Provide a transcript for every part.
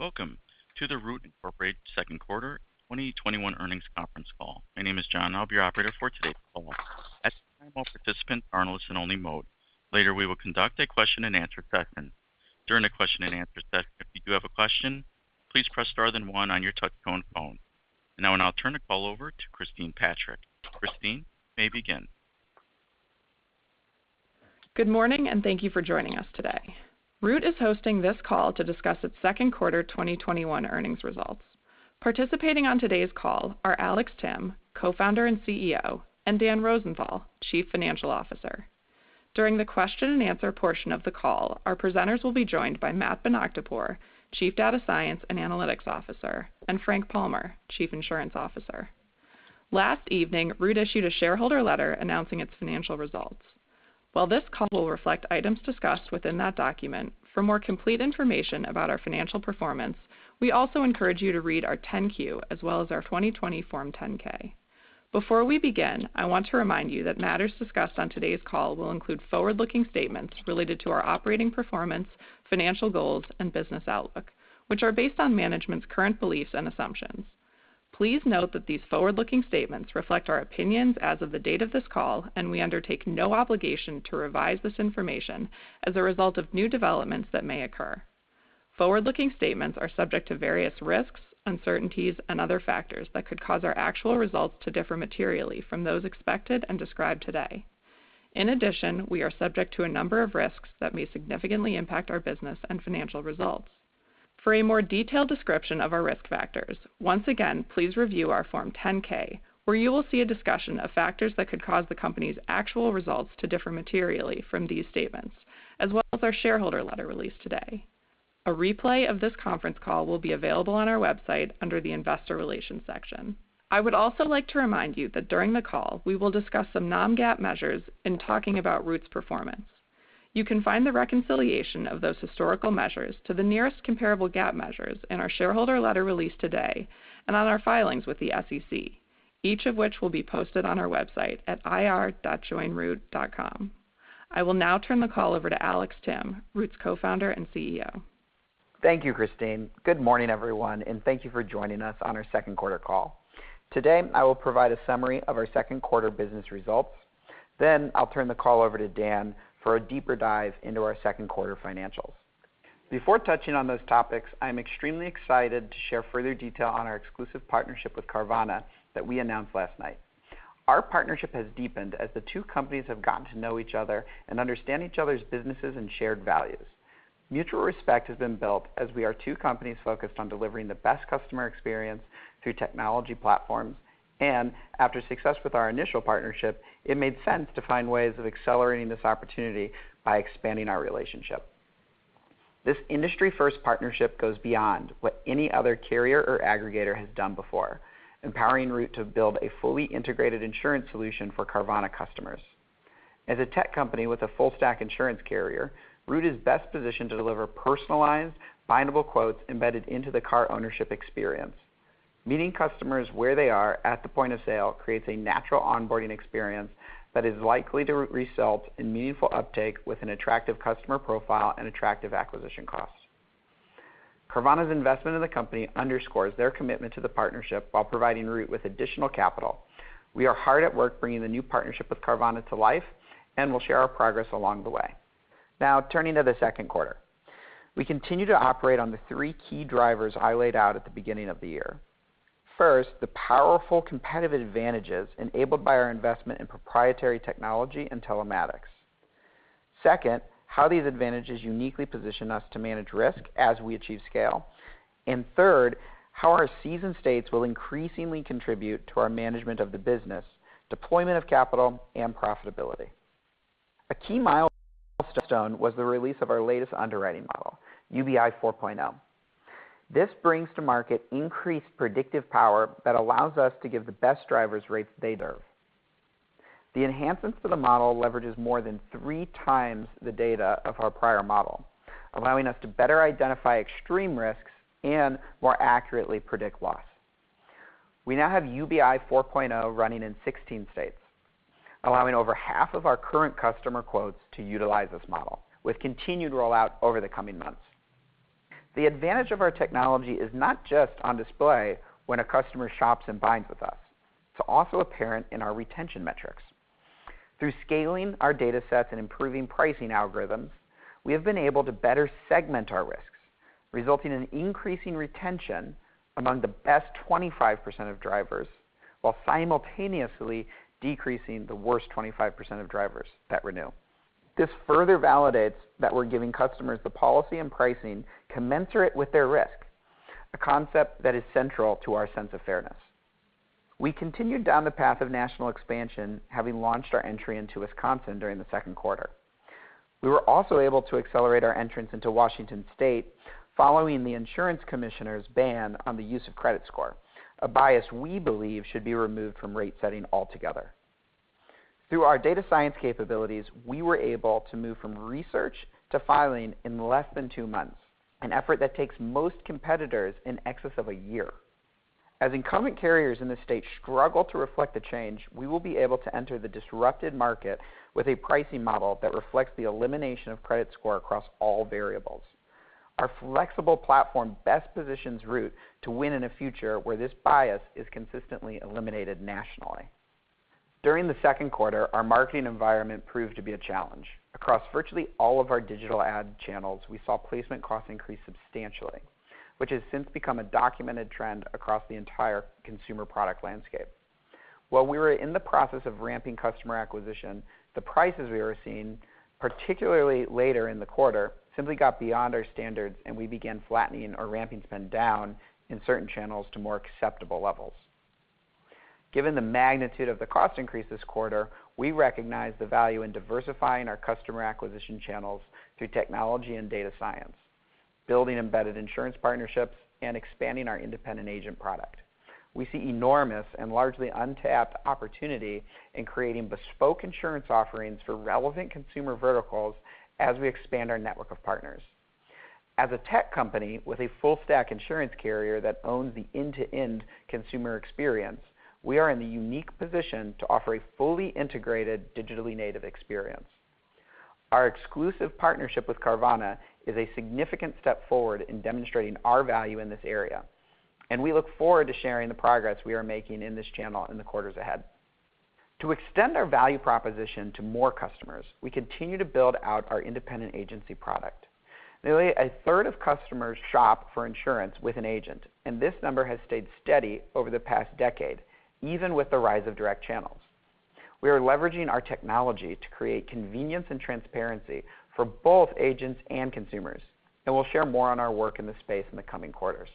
Welcome to the Root Incorporated Second Quarter 2021 Earnings Conference Call. My name is John, I'll be your Operator for today's call. At this time, all participants are in listen only mode. Later, we will conduct a question and answer session. During the question and answer session, if you do have a question, please press star then one on your touchtone phone. I'll turn the call over to Christine Patrick. Christine, you may begin. Good morning, and thank you for joining us today. Root is hosting this call to discuss its Second Quarter 2021 Earnings Results. Participating on today's call are Alex Timm, Co-Founder and CEO, and Dan Rosenthal, Chief Financial Officer. During the question and answer portion of the call, our Presenters will be joined by Matt Bonakdarpour, Chief Data Science and Analytics Officer, and Frank Palmer, Chief Insurance Officer. Last evening, Root issued a shareholder letter announcing its financial results. While this call will reflect items discussed within that document, for more complete information about our financial performance, we also encourage you to read our 10-Q, as well as our 2020 Form 10-K. Before we begin, I want to remind you that matters discussed on today's call will include forward-looking statements related to our operating performance, financial goals, and business outlook, which are based on management's current beliefs and assumptions. Please note that these forward-looking statements reflect our opinions as of the date of this call, and we undertake no obligation to revise this information as a result of new developments that may occur. Forward-looking statements are subject to various risks, uncertainties, and other factors that could cause our actual results to differ materially from those expected and described today. In addition, we are subject to a number of risks that may significantly impact our business and financial results. For a more detailed description of our risk factors, once again, please review our Form 10-K, where you will see a discussion of factors that could cause the company's actual results to differ materially from these statements, as well as our shareholder letter released today. A replay of this conference call will be available on our website under the investor relations section. I would also like to remind you that during the call, we will discuss some non-GAAP measures in talking about Root's performance. You can find the reconciliation of those historical measures to the nearest comparable GAAP measures in our shareholder letter released today, and on our filings with the SEC, each of which will be posted on our website at ir.joinroot.com. I will now turn the call over to Alex Timm, Root's Co-Founder and Chief Executive Officer. Thank you, Christine. Good morning, everyone, and thank you for joining us on our second quarter call. Today, I will provide a summary of our second quarter business results. I'll turn the call over to Dan for a deeper dive into our second quarter financials. Before touching on those topics, I am extremely excited to share further detail on our exclusive partnership with Carvana that we announced last night. Our partnership has deepened as the two companies have gotten to know each other and understand each other's businesses and shared values. Mutual respect has been built as we are two companies focused on delivering the best customer experience through technology platforms, and after success with our initial partnership, it made sense to find ways of accelerating this opportunity by expanding our relationship. This industry first partnership goes beyond what any other carrier or aggregator has done before, empowering Root to build a fully integrated insurance solution for Carvana customers. As a tech company with a full stack insurance carrier, Root is best positioned to deliver personalized, bindable quotes embedded into the car ownership experience. Meeting customers where they are at the point of sale creates a natural onboarding experience that is likely to result in meaningful uptake with an attractive customer profile and attractive acquisition costs. Carvana's investment in the company underscores their commitment to the partnership while providing Root with additional capital. We are hard at work bringing the new partnership with Carvana to life and will share our progress along the way. Now, turning to the second quarter. We continue to operate on the three key drivers I laid out at the beginning of the year. First, the powerful competitive advantages enabled by our investment in proprietary technology and telematics. Second, how these advantages uniquely position us to manage risk as we achieve scale. Third, how our seasoned states will increasingly contribute to our management of the business, deployment of capital, and profitability. A key milestone was the release of our latest underwriting model, UBI 4.0. This brings to market increased predictive power that allows us to give the best drivers rates they deserve. The enhancements to the model leverages more than three times the data of our prior model, allowing us to better identify extreme risks and more accurately predict loss. We now have UBI 4.0 running in 16 states, allowing over half of our current customer quotes to utilize this model, with continued rollout over the coming months. The advantage of our technology is not just on display when a customer shops and binds with us. It's also apparent in our retention metrics. Through scaling our data sets and improving pricing algorithms, we have been able to better segment our risks, resulting in increasing retention among the best 25% of drivers while simultaneously decreasing the worst 25% of drivers that renew. This further validates that we're giving customers the policy and pricing commensurate with their risk, a concept that is central to our sense of fairness. We continued down the path of national expansion, having launched our entry into Wisconsin during the second quarter. We were also able to accelerate our entrance into Washington State following the insurance commissioner's ban on the use of credit score, a bias we believe should be removed from rate setting altogether. Through our data science capabilities, we were able to move from research to filing in less than two months, an effort that takes most competitors in excess of a year. As incumbent carriers in the state struggle to reflect the change, we will be able to enter the disrupted market with a pricing model that reflects the elimination of credit score across all variables. Our flexible platform best positions Root to win in a future where this bias is consistently eliminated nationally. During the second quarter, our marketing environment proved to be a challenge. Across virtually all of our digital ad channels, we saw placement costs increase substantially, which has since become a documented trend across the entire consumer product landscape. While we were in the process of ramping customer acquisition, the prices we were seeing, particularly later in the quarter, simply got beyond our standards, and we began flattening or ramping spend down in certain channels to more acceptable levels. Given the magnitude of the cost increase this quarter, we recognize the value in diversifying our customer acquisition channels through technology and data science, building embedded insurance partnerships, and expanding our independent agent product. We see enormous and largely untapped opportunity in creating bespoke insurance offerings for relevant consumer verticals as we expand our network of partners. As a tech company with a full stack insurance carrier that owns the end-to-end consumer experience, we are in the unique position to offer a fully integrated digitally native experience. Our exclusive partnership with Carvana is a significant step forward in demonstrating our value in this area, and we look forward to sharing the progress we are making in this channel in the quarters ahead. To extend our value proposition to more customers, we continue to build out our independent agency product. Nearly a third of customers shop for insurance with an agent, and this number has stayed steady over the past decade, even with the rise of direct channels. We are leveraging our technology to create convenience and transparency for both agents and consumers, and we'll share more on our work in this space in the coming quarters.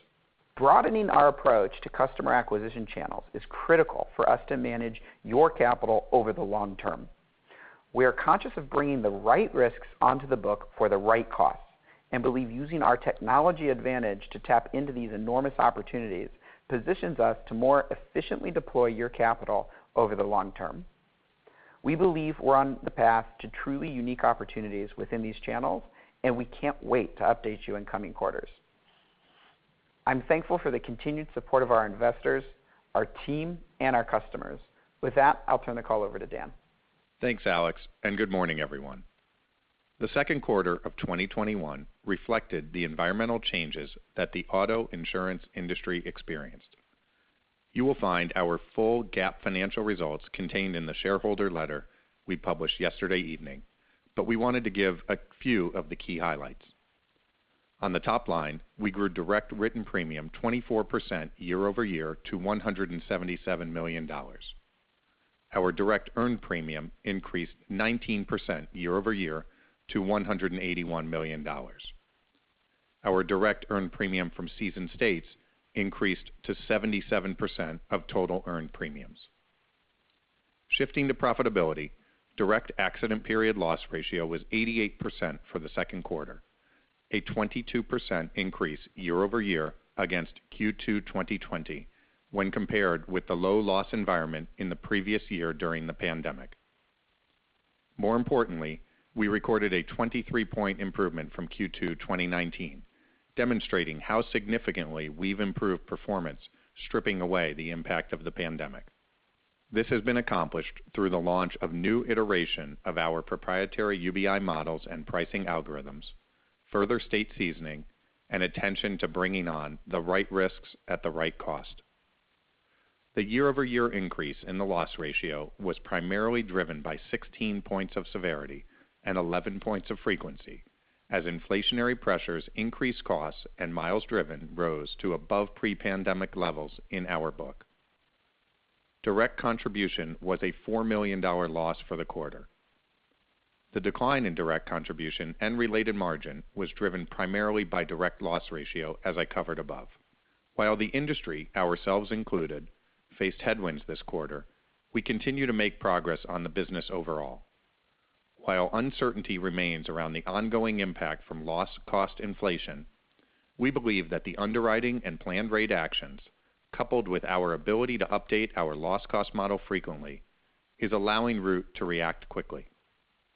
Broadening our approach to customer acquisition channels is critical for us to manage your capital over the long term. We are conscious of bringing the right risks onto the book for the right costs and believe using our technology advantage to tap into these enormous opportunities positions us to more efficiently deploy your capital over the long term. We believe we're on the path to truly unique opportunities within these channels, and we can't wait to update you in coming quarters. I'm thankful for the continued support of our investors, our team, and our customers. With that, I'll turn the call over to Dan. Thanks, Alex, and good morning, everyone. The second quarter of 2021 reflected the environmental changes that the auto insurance industry experienced. You will find our full GAAP financial results contained in the shareholder letter we published yesterday evening, we wanted to give a few of the key highlights. On the top line, we grew direct written premium 24% year-over-year to $177 million. Our direct earned premium increased 19% year-over-year to $181 million. Our direct earned premium from seasoned states increased to 77% of total earned premiums. Shifting to profitability, direct accident period loss ratio was 88% for the second quarter, a 22% increase year-over-year against Q2 2020 when compared with the low loss environment in the previous year during the pandemic. More importantly, we recorded a 23 point improvement from Q2 2019, demonstrating how significantly we've improved performance, stripping away the impact of the pandemic. This has been accomplished through the launch of new iteration of our proprietary UBI models and pricing algorithms, further state seasoning, and attention to bringing on the right risks at the right cost. The year-over-year increase in the loss ratio was primarily driven by 16 points of severity and 11 points of frequency as inflationary pressures increased costs and miles driven rose to above pre-pandemic levels in our book. Direct contribution was a $4 million loss for the quarter. The decline in direct contribution and related margin was driven primarily by direct loss ratio, as I covered above. While the industry, ourselves included, faced headwinds this quarter, we continue to make progress on the business overall. While uncertainty remains around the ongoing impact from loss cost inflation, we believe that the underwriting and planned rate actions, coupled with our ability to update our loss cost model frequently, is allowing Root to react quickly.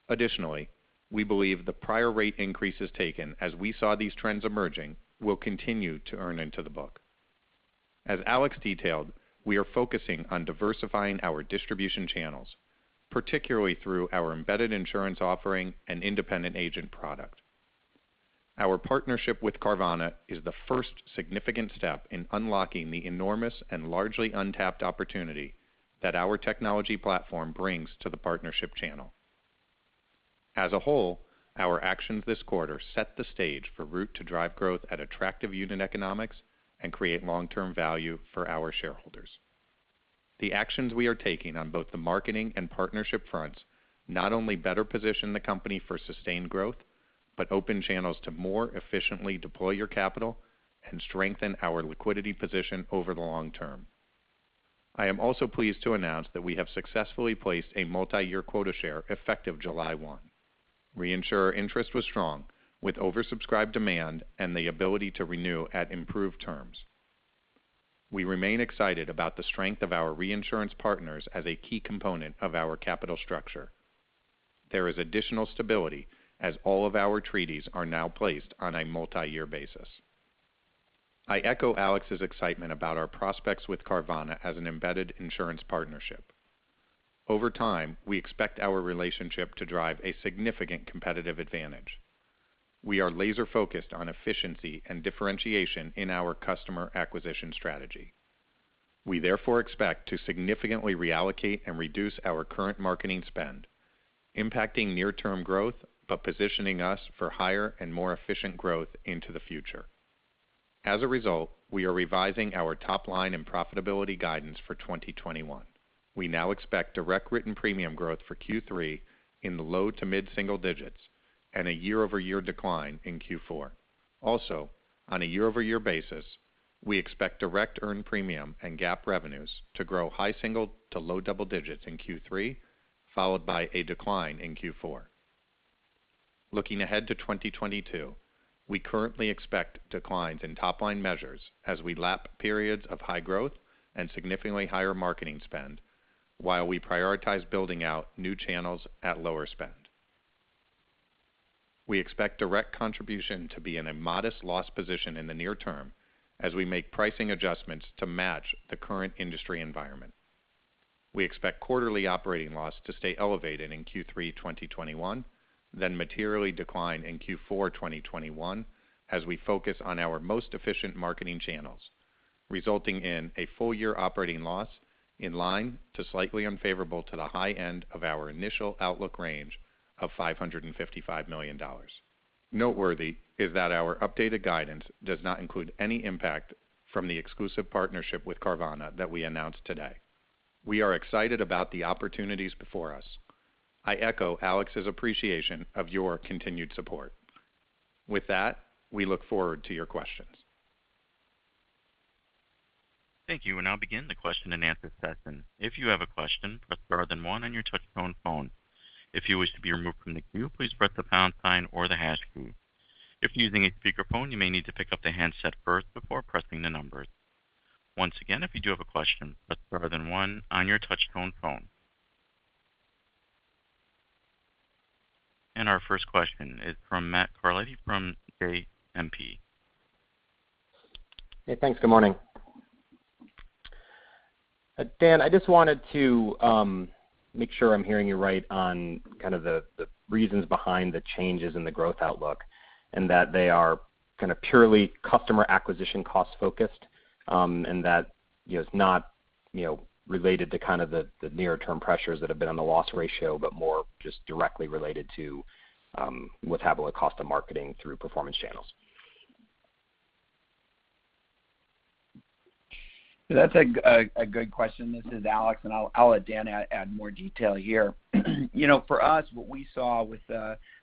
Additionally, we believe the prior rate increases taken as we saw these trends emerging will continue to earn into the book. As Alex detailed, we are focusing on diversifying our distribution channels, particularly through our embedded insurance offering and independent agent product. Our partnership with Carvana is the first significant step in unlocking the enormous and largely untapped opportunity that our technology platform brings to the partnership channel. As a whole, our actions this quarter set the stage for Root to drive growth at attractive unit economics and create long-term value for our shareholders. The actions we are taking on both the marketing and partnership fronts not only better position the company for sustained growth, but open channels to more efficiently deploy your capital and strengthen our liquidity position over the long term. I am also pleased to announce that we have successfully placed a multi-year quota share effective July 1. Reinsurer interest was strong with oversubscribed demand and the ability to renew at improved terms. We remain excited about the strength of our reinsurance partners as a key component of our capital structure. There is additional stability as all of our treaties are now placed on a multi-year basis. I echo Alex's excitement about our prospects with Carvana as an embedded insurance partnership. Over time, we expect our relationship to drive a significant competitive advantage. We are laser-focused on efficiency and differentiation in our customer acquisition strategy. We therefore expect to significantly reallocate and reduce our current marketing spend, impacting near-term growth, but positioning us for higher and more efficient growth into the future. As a result, we are revising our top line and profitability guidance for 2021. We now expect direct written premium growth for Q3 in the low to mid-single digits and a year-over-year decline in Q4. Also, on a year-over-year basis, we expect direct earned premium and GAAP revenues to grow high single to low double digits in Q3, followed by a decline in Q4. Looking ahead to 2022, we currently expect declines in top-line measures as we lap periods of high growth and significantly higher marketing spend, while we prioritize building out new channels at lower spend. We expect direct contribution to be in a modest loss position in the near term, as we make pricing adjustments to match the current industry environment. We expect quarterly operating loss to stay elevated in Q3 2021, then materially decline in Q4 2021 as we focus on our most efficient marketing channels, resulting in a full-year operating loss in line to slightly unfavorable to the high end of our initial outlook range of $555 million. Noteworthy is that our updated guidance does not include any impact from the exclusive partnership with Carvana that we announced today. We are excited about the opportunities before us. I echo Alex's appreciation of your continued support. With that, we look forward to your questions. Thank you. We'll now begin the question and answer session. If you have a question, press star then one on your touchtone phone. If you wish to be removed from the queue, please press the pound sign or the hash key. If you're using a speakerphone, you may need to pick up the handset first before pressing the numbers. Once again, if you do have a question, press star then one on your touchtone phone. Our first question is from Matt Carletti from JMP. Hey, thanks. Good morning. Dan, I just wanted to make sure I'm hearing you right on kind of the reasons behind the changes in the growth outlook, and that they are kind of purely customer acquisition cost focused, and that is not related to the near-term pressures that have been on the loss ratio, but more just directly related to what's happening with cost of marketing through performance channels. That's a good question. This is Alex, and I'll let Dan add more detail here. For us, what we saw with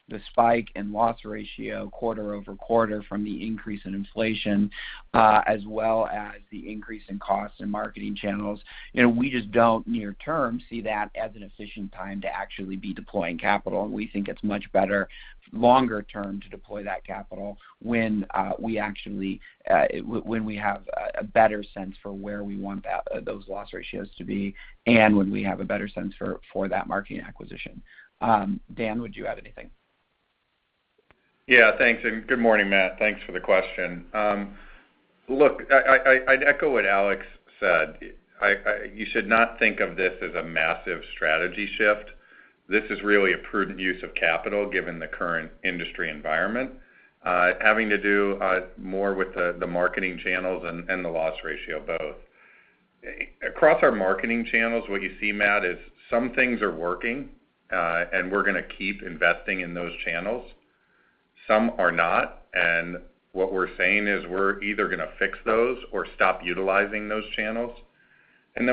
the spike in loss ratio quarter-over-quarter from the increase in inflation, as well as the increase in costs and marketing channels, we just don't near term see that as an efficient time to actually be deploying capital. We think it's much better longer term to deploy that capital when we have a better sense for where we want those loss ratios to be and when we have a better sense for that marketing acquisition. Dan, would you add anything? Yeah. Thanks, and good morning, Matt. Thanks for the question. Look, I'd echo what Alex said. You should not think of this as a massive strategy shift. This is really a prudent use of capital given the current industry environment, having to do more with the marketing channels and the loss ratio both. Across our marketing channels, what you see, Matt, is some things are working, and we're going to keep investing in those channels. Some are not, and what we're saying is we're either going to fix those or stop utilizing those channels.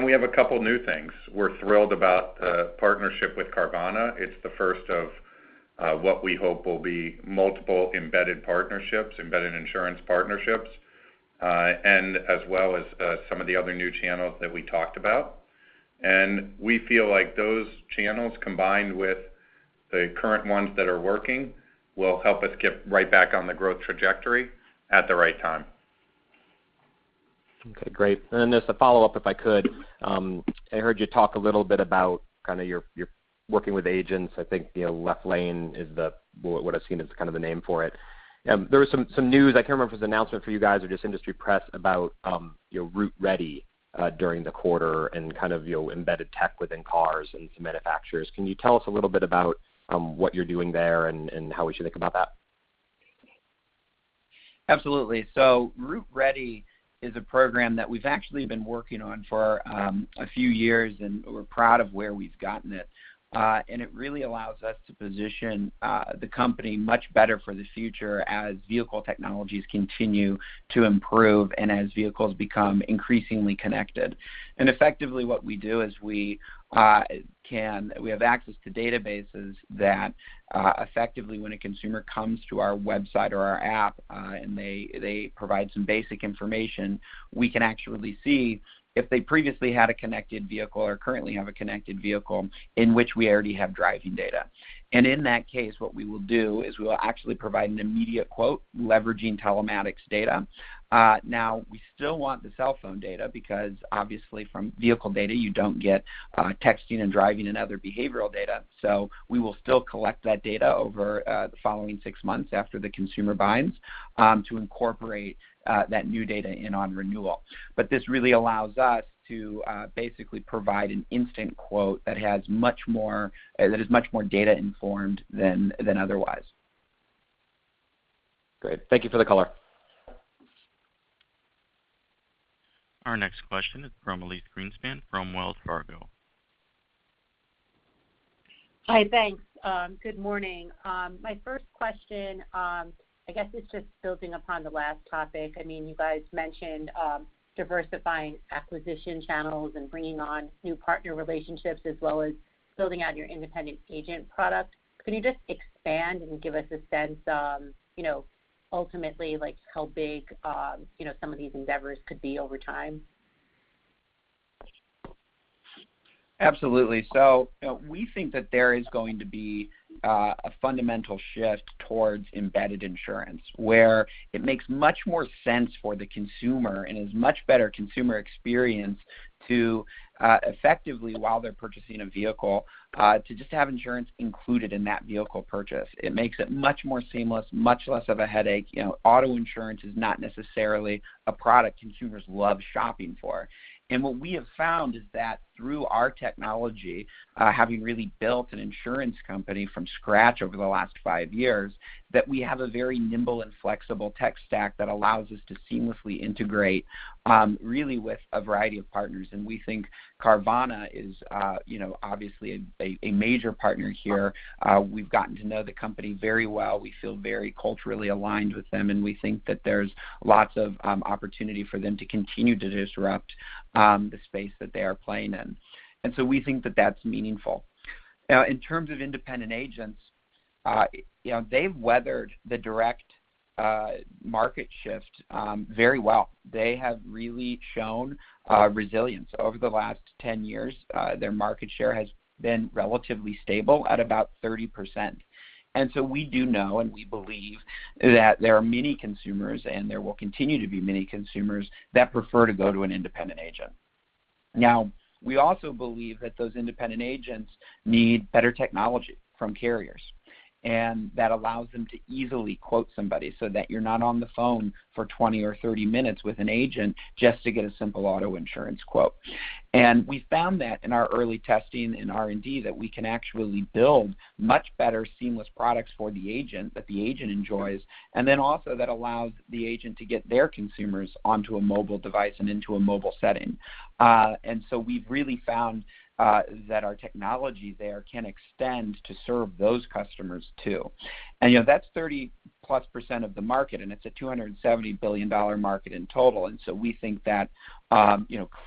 We have a couple new things. We're thrilled about the partnership with Carvana. It's the first of what we hope will be multiple embedded insurance partnerships, and as well as some of the other new channels that we talked about. We feel like those channels, combined with the current ones that are working, will help us get right back on the growth trajectory at the right time. Okay, great. Then just a follow-up, if I could. I heard you talk a little bit about kind of you're working with agents. I think Left Lane is what I've seen as kind of the name for it. There was some news, I can't remember if it was an announcement from you guys or just industry press, about Root Ready during the quarter and kind of embedded tech within cars and some manufacturers. Can you tell us a little bit about what you're doing there and how we should think about that? Absolutely. Root Ready is a program that we've actually been working on for a few years, and we're proud of where we've gotten it. It really allows us to position the company much better for the future as vehicle technologies continue to improve and as vehicles become increasingly connected. Effectively what we do is we have access to databases that effectively when a consumer comes to our website or our app, and they provide some basic information, we can actually see if they previously had a connected vehicle or currently have a connected vehicle in which we already have driving data. In that case, what we will do is we will actually provide an immediate quote leveraging telematics data. We still want the cell phone data because obviously from vehicle data you don't get texting and driving and other behavioral data. We will still collect that data over the following six months after the consumer binds to incorporate that new data in on renewal. This really allows us to basically provide an instant quote that is much more data informed than otherwise. Great. Thank you for the color. Our next question is from Elyse Greenspan from Wells Fargo. Hi, thanks. Good morning. My first question, I guess it's just building upon the last topic. You guys mentioned diversifying acquisition channels and bringing on new partner relationships as well as building out your independent agent product. Could you just expand and give us a sense of ultimately just how big some of these endeavors could be over time? Absolutely. We think that there is going to be a fundamental shift towards embedded insurance, where it makes much more sense for the consumer and is much better consumer experience to effectively, while they're purchasing a vehicle, to just have insurance included in that vehicle purchase. It makes it much more seamless, much less of a headache. Auto insurance is not necessarily a product consumers love shopping for. What we have found is that through our technology, having really built an insurance company from scratch over the last five years, that we have a very nimble and flexible tech stack that allows us to seamlessly integrate, really with a variety of partners. We think Carvana is obviously a major partner here. We've gotten to know the company very well. We feel very culturally aligned with them, we think that there's lots of opportunity for them to continue to disrupt the space that they are playing in. We think that that's meaningful. In terms of independent agents, they've weathered the direct market shift very well. They have really shown resilience over the last 10 years. Their market share has been relatively stable at about 30%. We do know, and we believe, that there are many consumers, and there will continue to be many consumers, that prefer to go to an independent agent. We also believe that those independent agents need better technology from carriers, and that allows them to easily quote somebody so that you're not on the phone for 20 or 30 minutes with an agent just to get a simple auto insurance quote. We found that in our early testing in R&D, that we can actually build much better seamless products for the agent that the agent enjoys, and then also that allows the agent to get their consumers onto a mobile device and into a mobile setting. We've really found that our technology there can extend to serve those customers, too. That's 30%+ of the market, and it's a $270 billion market in total. We think that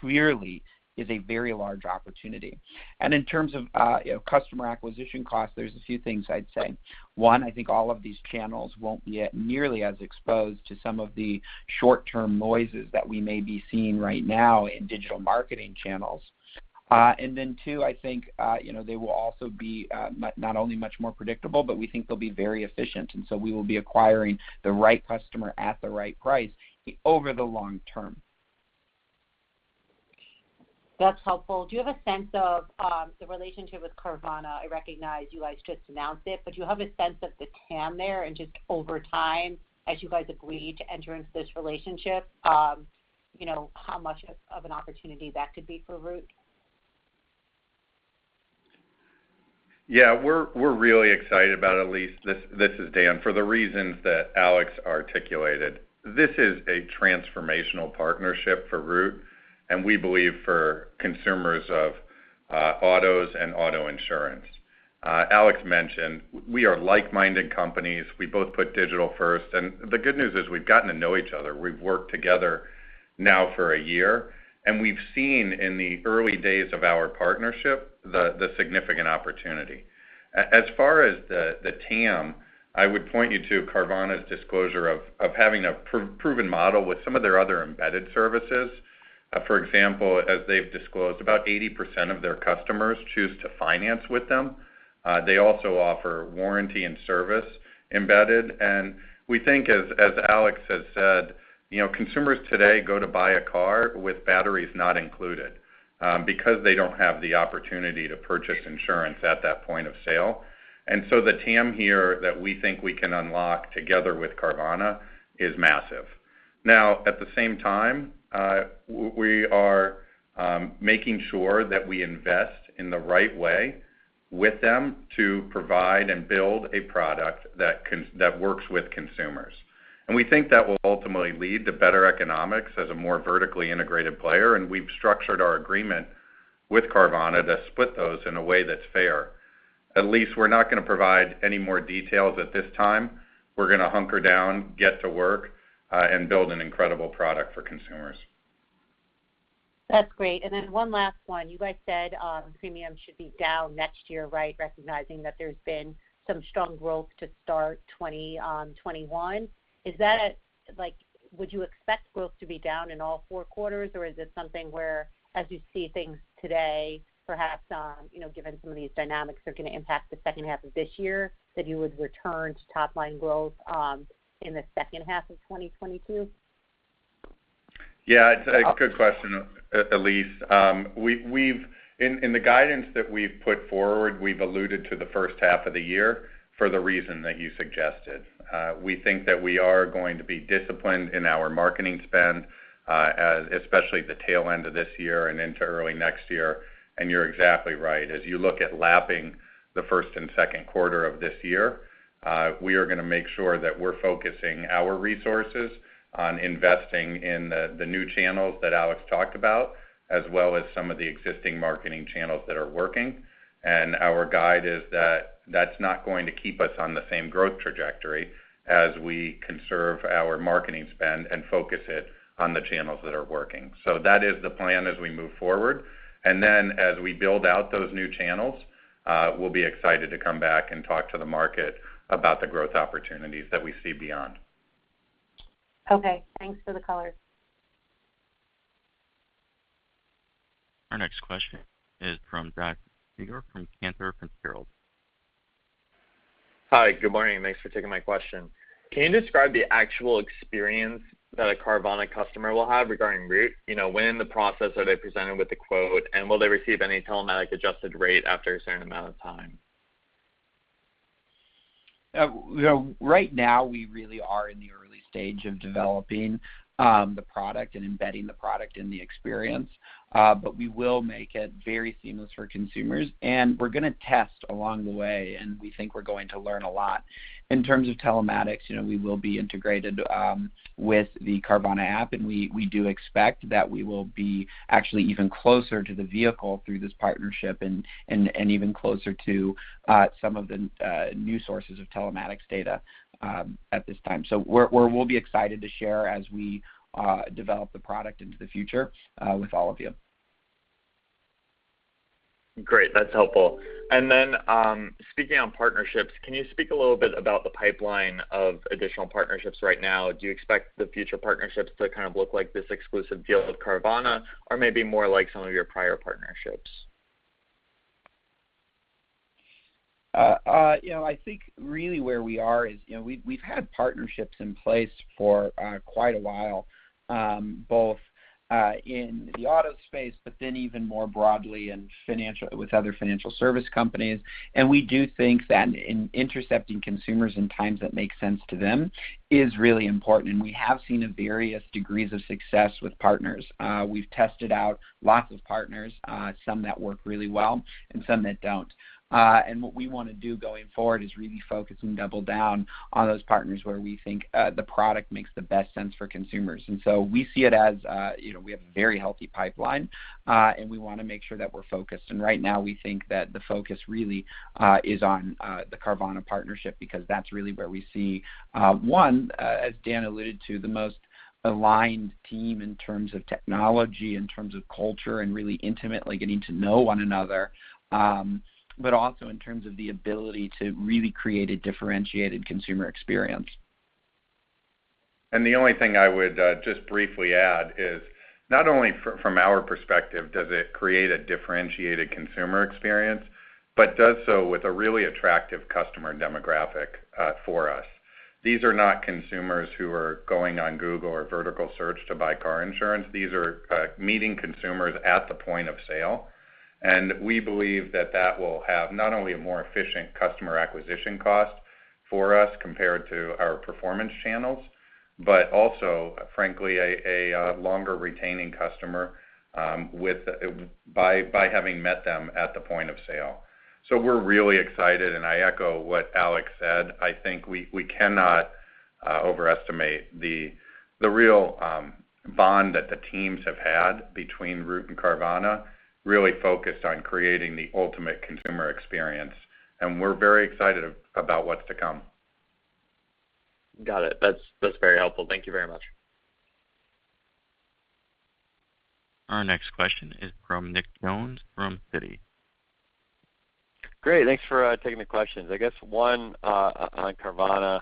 clearly is a very large opportunity. In terms of customer acquisition costs, there's a few things I'd say. One, I think all of these channels won't be as exposed to some of the short-term noises that we may be seeing right now in digital marketing channels. Two, I think they will also be not only much more predictable, but we think they'll be very efficient. We will be acquiring the right customer at the right price over the long term. That's helpful. Do you have a sense of the relationship with Carvana? I recognize you guys just announced it, but do you have a sense of the TAM there and just over time, as you guys agreed to enter into this relationship, how much of an opportunity that could be for Root? Yeah, we're really excited about, Elyse, this is Dan, for the reasons that Alex articulated. This is a transformational partnership for Root, and we believe for consumers of autos and auto insurance. Alex mentioned we are like-minded companies. We both put digital first, and the good news is we've gotten to know each other. We've worked together now for one year, and we've seen in the early days of our partnership, the significant opportunity. As far as the TAM, I would point you to Carvana's disclosure of having a proven model with some of their other embedded services. For example, as they've disclosed, about 80% of their customers choose to finance with them. They also offer warranty and service embedded. We think, as Alex has said, consumers today go to buy a car with batteries not included because they don't have the opportunity to purchase insurance at that point of sale. The TAM here that we think we can unlock together with Carvana is massive. Now, at the same time, we are making sure that we invest in the right way with them to provide and build a product that works with consumers. We think that will ultimately lead to better economics as a more vertically integrated player, and we've structured our agreement with Carvana to split those in a way that's fair. Elyse, we're not going to provide any more details at this time. We're going to hunker down, get to work, and build an incredible product for consumers. That's great. One last one. You guys said premiums should be down next year, right? Recognizing that there's been some strong growth to start 2021. Would you expect growth to be down in all four quarters, or is it something where, as you see things today, perhaps, given some of these dynamics are going to impact the second half of this year, that you would return to top-line growth in the second half of 2022? It's a good question, Elyse. In the guidance that we've put forward, we've alluded to the first half of the year for the reason that you suggested. We think that we are going to be disciplined in our marketing spend, especially at the tail end of this year and into early next year. You're exactly right. As you look at lapping the first and second quarter of this year, we are going to make sure that we're focusing our resources on investing in the new channels that Alex talked about, as well as some of the existing marketing channels that are working. Our guide is that that's not going to keep us on the same growth trajectory as we conserve our marketing spend and focus it on the channels that are working. That is the plan as we move forward. Then as we build out those new channels, we'll be excited to come back and talk to the market about the growth opportunities that we see beyond. Okay, thanks for the color. Our next question is from Josh Siegler from Cantor Fitzgerald. Hi, good morning, and thanks for taking my question. Can you describe the actual experience that a Carvana customer will have regarding Root? When in the process are they presented with the quote, and will they receive any telematics adjusted rate after a certain amount of time? Right now, we really are in the early stage of developing the product and embedding the product in the experience. We will make it very seamless for consumers, and we're going to test along the way, and we think we're going to learn a lot. In terms of telematics, we will be integrated with the Carvana app, and we do expect that we will be actually even closer to the vehicle through this partnership and even closer to some of the new sources of telematics data at this time. We'll be excited to share as we develop the product into the future with all of you. Great. That's helpful. Then, speaking on partnerships, can you speak a little bit about the pipeline of additional partnerships right now? Do you expect the future partnerships to kind of look like this exclusive deal with Carvana or maybe more like some of your prior partnerships? I think really where we are is we've had partnerships in place for quite a while, both in the auto space, but then even more broadly with other financial service companies. We do think that in intercepting consumers in times that make sense to them is really important, and we have seen various degrees of success with partners. We've tested out lots of partners, some that work really well and some that don't. What we want to do going forward is really focus and double down on those partners where we think the product makes the best sense for consumers. We see it as we have a very healthy pipeline, and we want to make sure that we're focused. Right now, we think that the focus really is on the Carvana partnership because that's really where we see, one, as Dan alluded to, the most aligned team in terms of technology, in terms of culture, and really intimately getting to know one another, but also in terms of the ability to really create a differentiated consumer experience. The only thing I would just briefly add is not only from our perspective does it create a differentiated consumer experience, but does so with a really attractive customer demographic for us. These are not consumers who are going on Google or vertical search to buy car insurance. These are meeting consumers at the point of sale. We believe that that will have not only a more efficient customer acquisition cost for us compared to our performance channels, but also, frankly, a longer retaining customer by having met them at the point of sale. We're really excited, and I echo what Alex said. I think we cannot overestimate the real bond that the teams have had between Root and Carvana, really focused on creating the ultimate consumer experience. We're very excited about what's to come. Got it. That's very helpful. Thank you very much. Our next question is from Nick Jones from Citi. Great. Thanks for taking the questions. I guess one on Carvana.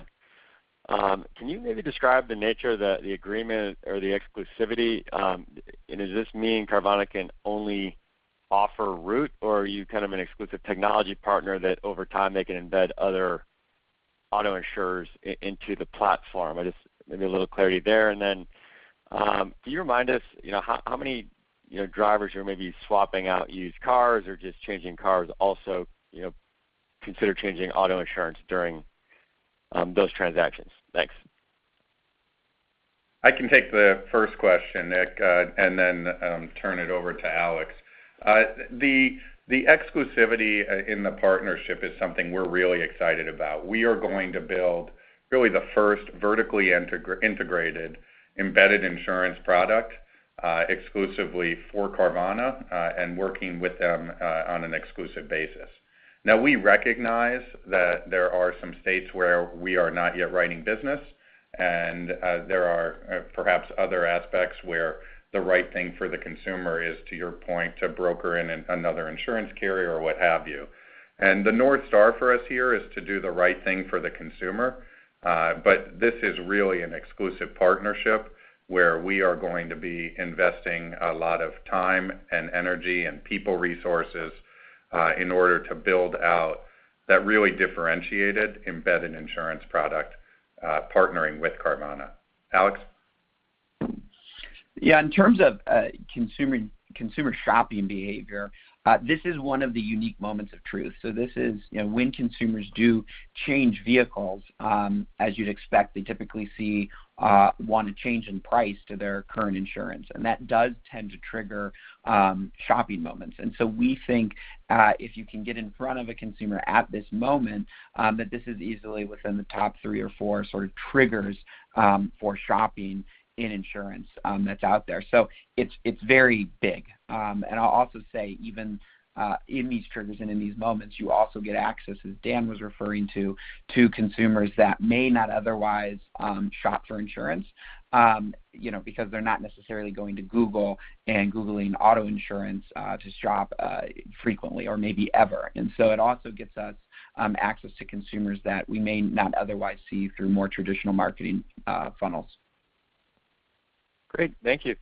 Can you maybe describe the nature of the agreement or the exclusivity? Does this mean Carvana can only offer Root, or are you kind of an exclusive technology partner that over time they can embed other auto insurers into the platform? Just maybe a little clarity there. Then, can you remind us how many drivers who are maybe swapping out used cars or just changing cars also consider changing auto insurance during those transactions? Thanks. I can take the first question, Nick, and then turn it over to Alex. The exclusivity in the partnership is something we're really excited about. We are going to build really the first vertically integrated embedded insurance product exclusively for Carvana and working with them on an exclusive basis. We recognize that there are some states where we are not yet writing business, and there are perhaps other aspects where the right thing for the consumer is, to your point, to broker in another insurance carrier or what have you. The north star for us here is to do the right thing for the consumer. This is really an exclusive partnership where we are going to be investing a lot of time and energy and people resources in order to build out that really differentiated embedded insurance product partnering with Carvana. Alex? Yeah. In terms of consumer shopping behavior, this is one of the unique moments of truth. This is when consumers do change vehicles, as you'd expect, they typically see want a change in price to their current insurance. That does tend to trigger shopping moments. We think if you can get in front of a consumer at this moment, that this is easily within the top three or four triggers for shopping in insurance that's out there. It's very big. I'll also say even in these triggers and in these moments, you also get access, as Dan was referring to consumers that may not otherwise shop for insurance because they're not necessarily going to Google and googling auto insurance to shop frequently or maybe ever. It also gets us access to consumers that we may not otherwise see through more traditional marketing funnels. Great. Thank you.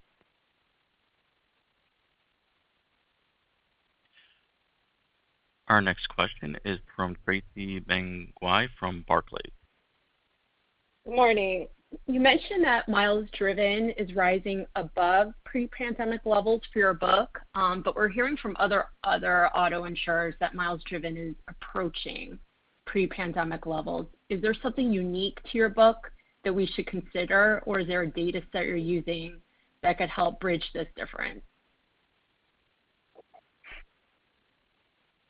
Our next question is from Tracy Benguigui from Barclays. Good morning. You mentioned that miles driven is rising above pre-pandemic levels for your book. We're hearing from other auto insurers that miles driven is approaching pre-pandemic levels. Is there something unique to your book that we should consider, or is there a data set you're using that could help bridge this difference?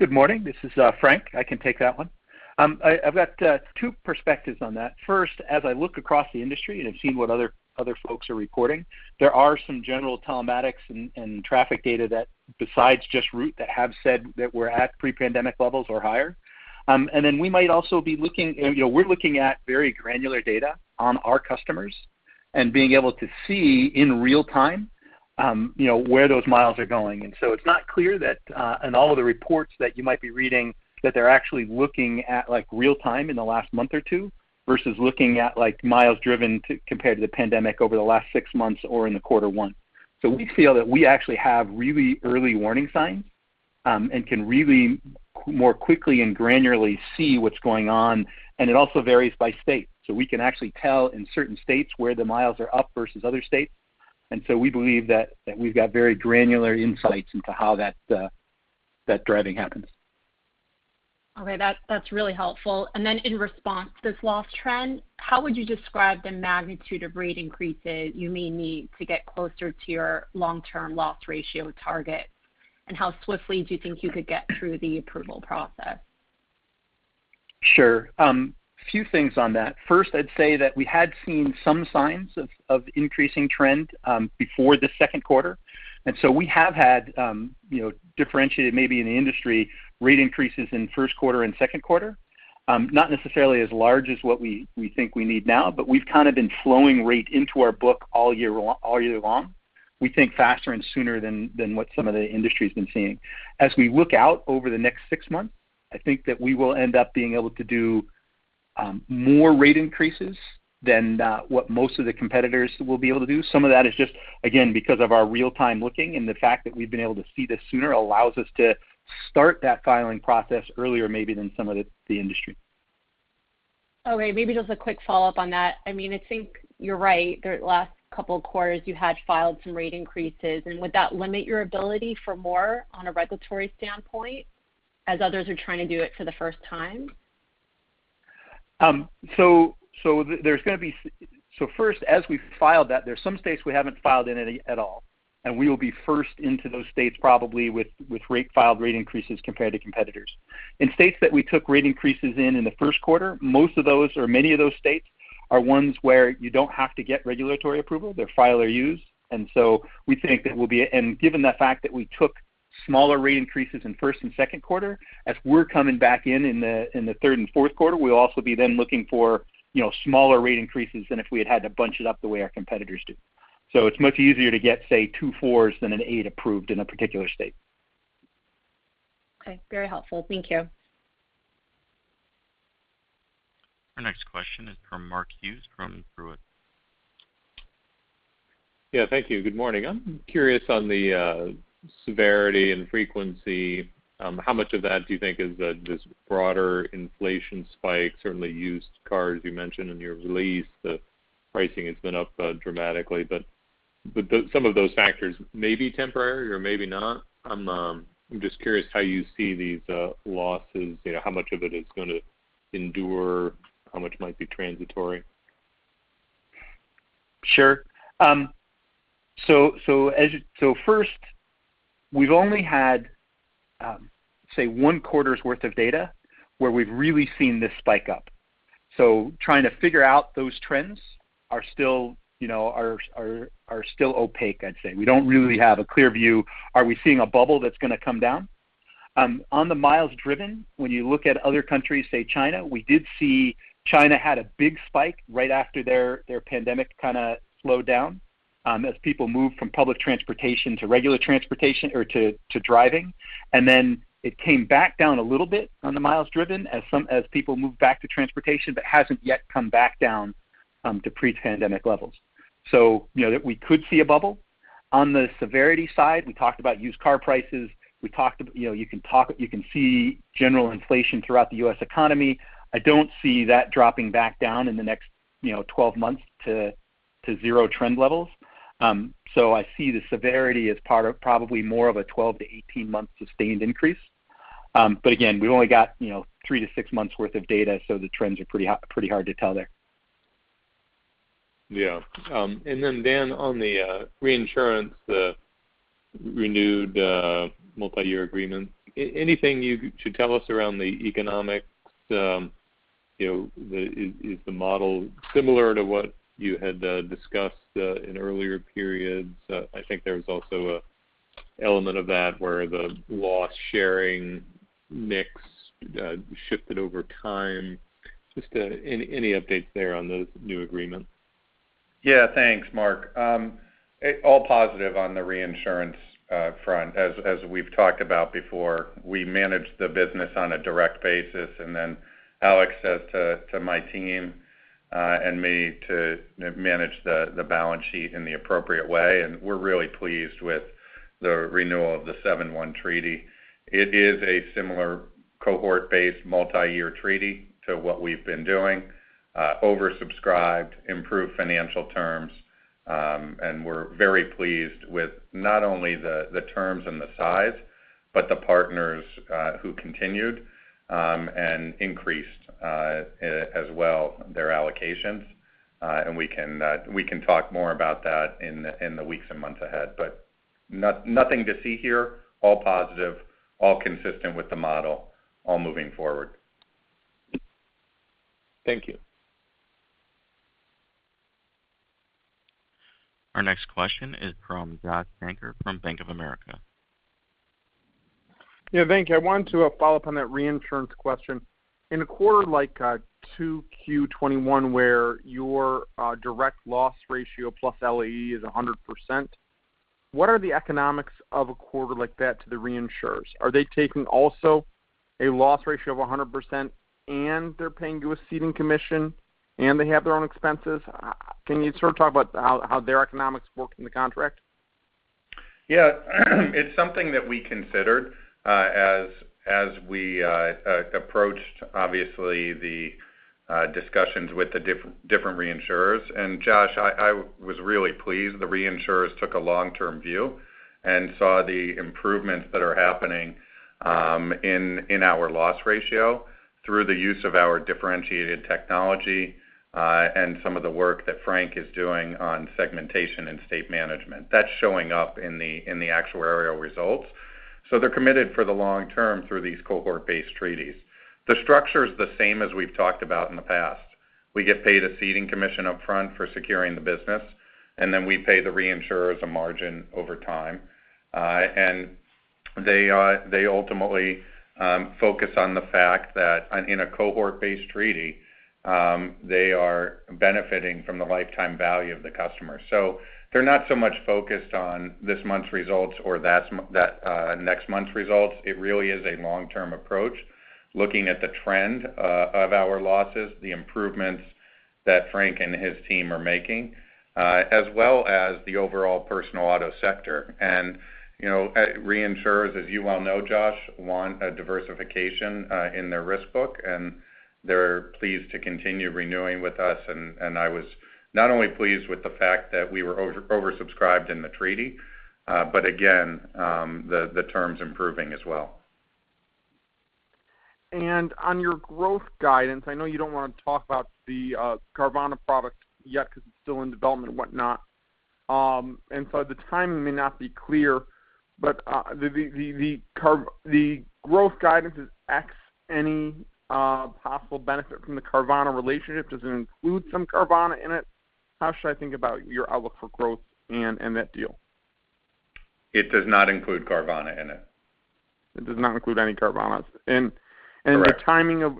Good morning. This is Frank. I can take that one. I've got two perspectives on that. First, as I look across the industry and have seen what other folks are reporting, there are some general telematics and traffic data that besides just Root that have said that we're at pre-pandemic levels or higher. We might also be looking at very granular data on our customers and being able to see in real time where those miles are going. It's not clear that in all of the reports that you might be reading, that they're actually looking at real time in the last month or two versus looking at miles driven compared to the pandemic over the last six months or in the quarter one. We feel that we actually have really early warning signs and can really more quickly and granularly see what's going on. It also varies by state. We can actually tell in certain states where the miles are up versus other states. We believe that we've got very granular insights into how that driving happens. Okay. That's really helpful. In response to this loss trend, how would you describe the magnitude of rate increases you may need to get closer to your long-term loss ratio target? How swiftly do you think you could get through the approval process? Sure. A few things on that. First, I'd say that we had seen some signs of increasing trend before the second quarter, and so we have had differentiated maybe in the industry rate increases in first quarter and second quarter. Not necessarily as large as what we think we need now, but we've kind of been flowing rate into our book all year long. We think faster and sooner than what some of the industry's been seeing. As we look out over the next six months, I think that we will end up being able to do more rate increases than what most of the competitors will be able to do. Some of that is just, again, because of our real time looking and the fact that we've been able to see this sooner allows us to start that filing process earlier maybe than some of the industry. Okay, maybe just a quick follow-up on that. I think you're right. Would that limit your ability for more on a regulatory standpoint as others are trying to do it for the first time? First as we filed that, there's some states we haven't filed in at all, and we will be first into those states probably with rate filed rate increases compared to competitors. In states that we took rate increases in the first quarter, most of those or many of those states are ones where you don't have to get regulatory approval. They're file and use. We think that given the fact that we took smaller rate increases in first and second quarter, as we're coming back in the third and fourth quarter, we'll also be then looking for smaller rate increases than if we had had to bunch it up the way our competitors do. It's much easier to get, say, two fours than an eight approved in a particular state. Okay. Very helpful. Thank you. Our next question is from Mark Hughes from Truist. Yeah. Thank you. Good morning. I'm curious on the severity and frequency, how much of that do you think is this broader inflation spike? Certainly used cars you mentioned in your release, the pricing has been up dramatically, but some of those factors may be temporary or maybe not. I'm just curious how you see these losses, how much of it is going to endure, how much might be transitory? Sure. First we've only had, say one quarter's worth of data where we've really seen this spike up. Trying to figure out those trends are still opaque, I'd say. We don't really have a clear view. Are we seeing a bubble that's going to come down? On the miles driven, when you look at other countries, say China, we did see China had a big spike right after their pandemic kind of slowed down as people moved from public transportation to regular transportation or to driving. Then it came back down a little bit on the miles driven as people moved back to transportation, but hasn't yet come back down to pre-pandemic levels. That we could see a bubble. On the severity side, we talked about used car prices. You can see general inflation throughout the U.S. economy. I don't see that dropping back down in the next 12 months to zero trend levels. I see the severity as probably more of a 12-18 month sustained increase. Again, we've only got three to six months worth of data, so the trends are pretty hard to tell there. Yeah. Then Dan, on the reinsurance, the renewed multi-year agreement, anything you could tell us around the economics? Is the model similar to what you had discussed in earlier periods? I think there was also an element of that where the loss sharing mix shifted over time. Just any updates there on those new agreements. Thanks, Mark. All positive on the reinsurance front. As we've talked about before, we manage the business on a direct basis, and then Alex says to my team and me to manage the balance sheet in the appropriate way, and we're really pleased with the renewal of the 7/1 treaty. It is a similar cohort-based, multi-year treaty to what we've been doing. Oversubscribed, improved financial terms, and we're very pleased with not only the terms and the size, but the partners who continued and increased as well their allocations. We can talk more about that in the weeks and months ahead, but nothing to see here. All positive, all consistent with the model, all moving forward. Thank you. Our next question is from Josh Shanker from Bank of America. Yeah, thank you. I wanted to follow up on that reinsurance question. In a quarter like 2Q 2021, where your direct loss ratio plus LAE is 100%, what are the economics of a quarter like that to the reinsurers? Are they taking also a loss ratio of 100% and they're paying you a ceding commission, and they have their own expenses? Can you sort of talk about how their economics work in the contract? Yeah. It's something that we considered as we approached, obviously, the discussions with the different reinsurers. Josh, I was really pleased the reinsurers took a long-term view and saw the improvements that are happening in our loss ratio through the use of our differentiated technology, and some of the work that Frank is doing on segmentation and state management. That's showing up in the actuarial results. They're committed for the long term through these cohort-based treaties. The structure's the same as we've talked about in the past. We get paid a ceding commission upfront for securing the business, and then we pay the reinsurers a margin over time. They ultimately focus on the fact that in a cohort-based treaty, they are benefiting from the lifetime value of the customer. They're not so much focused on this month's results or next month's results. It really is a long-term approach, looking at the trend of our losses, the improvements that Frank and his team are making, as well as the overall personal auto sector. Reinsurers, as you well know, Josh, want a diversification in their risk book, and they're pleased to continue renewing with us. I was not only pleased with the fact that we were oversubscribed in the treaty, but again, the terms improving as well. On your growth guidance, I know you don't want to talk about the Carvana product yet because it's still in development and whatnot. The timing may not be clear, but the growth guidance is X, any possible benefit from the Carvana relationship, does it include some Carvana in it? How should I think about your outlook for growth and that deal? It does not include Carvana in it. It does not include any Carvana. Correct. The timing of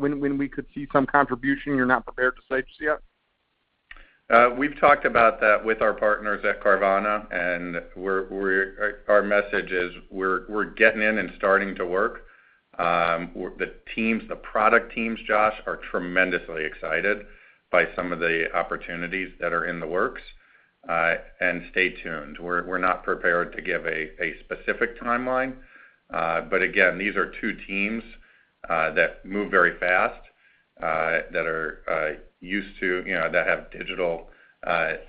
when we could see some contribution, you're not prepared to say just yet? We've talked about that with our partners at Carvana, and our message is we're getting in and starting to work. The product teams, Josh, are tremendously excited by some of the opportunities that are in the works. Stay tuned. We're not prepared to give a specific timeline. Again, these are two teams that move very fast, that have digital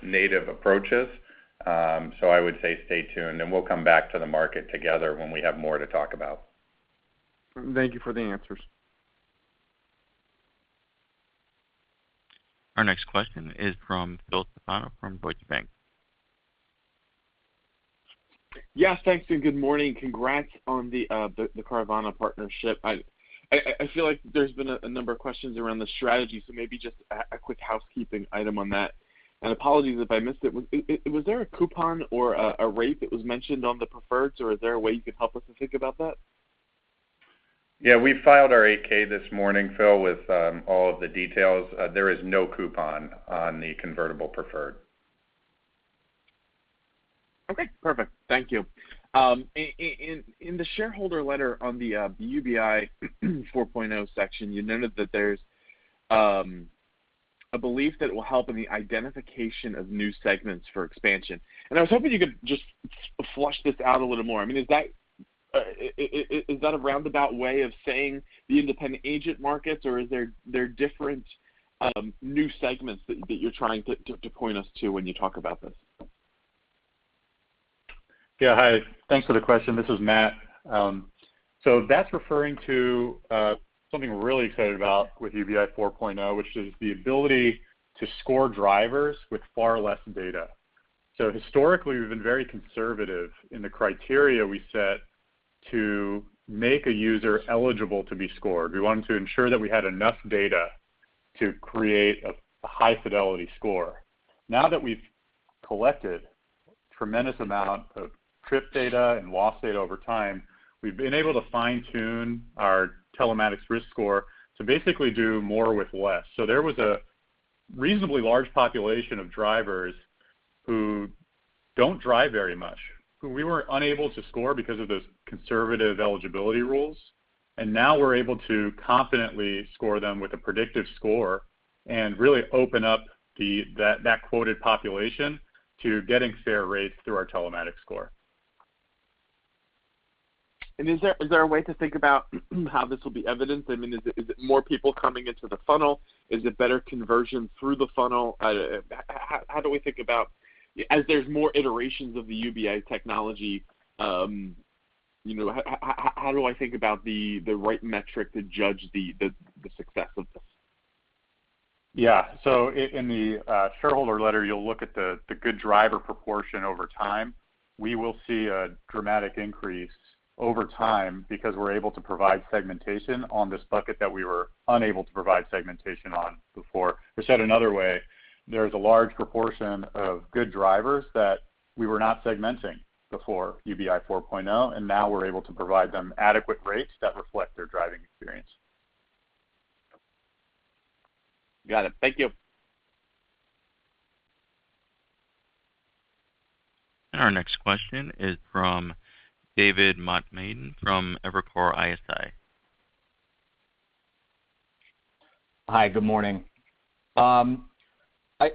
native approaches. I would say stay tuned, and we'll come back to the market together when we have more to talk about. Thank you for the answers. Our next question is from Phil Stefano from Deutsche Bank. Yes, thanks, and good morning. Congrats on the Carvana partnership. I feel like there's been a number of questions around the strategy. Maybe just a quick housekeeping item on that. Apologies if I missed it. Was there a coupon or a rate that was mentioned on the preferreds, or is there a way you could help us to think about that? Yeah. We filed our 8-K this morning, Phil, with all of the details. There is no coupon on the convertible preferred. Okay, perfect. Thank you. In the shareholder letter on the UBI 4.0 section, you noted that there's a belief that it will help in the identification of new segments for expansion. I was hoping you could just flush this out a little more. Is that a roundabout way of saying the independent agent markets, or are there different new segments that you're trying to point us to when you talk about this? Yeah. Hi. Thanks for the question. This is Matt. That's referring to something we're really excited about with UBI 4.0, which is the ability to score drivers with far less data. Historically, we've been very conservative in the criteria we set to make a user eligible to be scored. We wanted to ensure that we had enough data to create a high-fidelity score. Now that we've collected tremendous amount of trip data and loss data over time, we've been able to fine-tune our telematics risk score to basically do more with less. There was a reasonably large population of drivers who don't drive very much, who we were unable to score because of those conservative eligibility rules. Now we're able to confidently score them with a predictive score and really open up that quoted population to getting fair rates through our telematics score. Is there a way to think about how this will be evidenced? Is it more people coming into the funnel? Is it better conversion through the funnel? How do we think about, as there's more iterations of the UBI technology, how do I think about the right metric to judge the success of this? Yeah. In the shareholder letter, you'll look at the good driver proportion over time. We will see a dramatic increase over time because we're able to provide segmentation on this bucket that we were unable to provide segmentation on before. Said another way, there's a large proportion of good drivers that we were not segmenting before UBI 4.0, and now we're able to provide them adequate rates that reflect their driving experience. Got it. Thank you. Our next question is from David Motemaden from Evercore ISI. Hi. Good morning.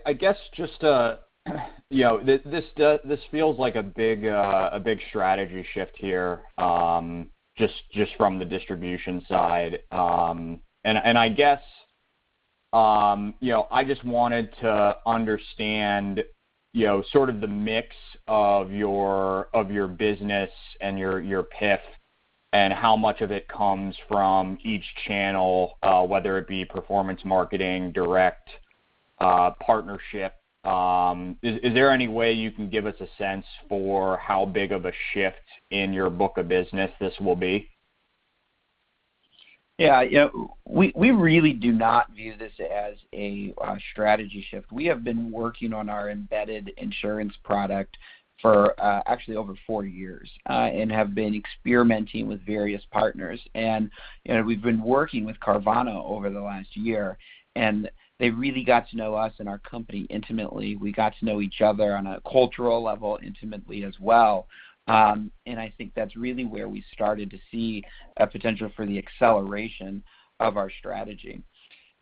I guess just this feels like a big strategy shift here just from the distribution side. I guess I just wanted to understand sort of the mix of your business and your PIF and how much of it comes from each channel, whether it be performance marketing, direct partnership. Is there any way you can give us a sense for how big of a shift in your book of business this will be? Yeah. We really do not view this as a strategy shift. We have been working on our embedded insurance product for actually over four years and have been experimenting with various partners. We've been working with Carvana over the last year, and they really got to know us and our company intimately. We got to know each other on a cultural level intimately as well. I think that's really where we started to see a potential for the acceleration of our strategy.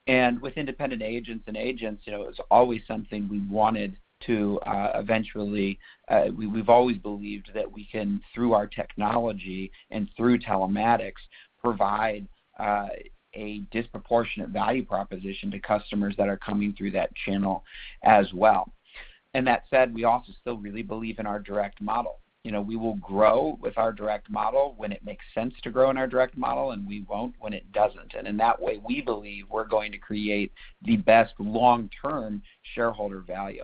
With independent agents and agents, it was always something we wanted to. We've always believed that we can, through our technology and through telematics, provide a disproportionate value proposition to customers that are coming through that channel as well. That said, we also still really believe in our direct model. We will grow with our direct model when it makes sense to grow in our direct model, and we won't when it doesn't. In that way, we believe we're going to create the best long-term shareholder value.